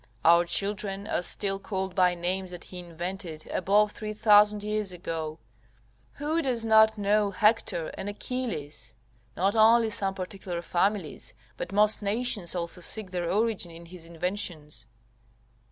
Our children are still called by names that he invented above three thousand years ago; who does not know Hector and Achilles? Not only some particular families, but most nations also seek their origin in his inventions.